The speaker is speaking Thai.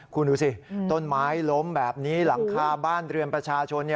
คุณดูสิต้นไม้ล้มแบบนี้หลังคาบ้านเรือนประชาชน